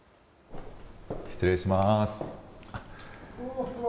失礼します。